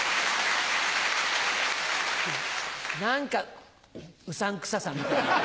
何かうさんくささみたいな。